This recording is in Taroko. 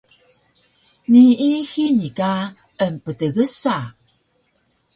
Nii hini ka emptgsa